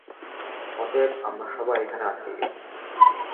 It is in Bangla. অতএব, আমরা সবাই এখানে আটকে গেছি।